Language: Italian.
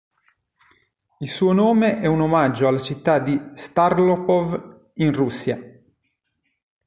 Il suo nome è un omaggio alla città di Stavropol', in Russia.